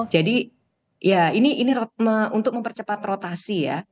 jadi ya ini untuk mempercepat rotasi ya